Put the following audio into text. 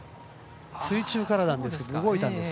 水中からなんですけど動いたんです。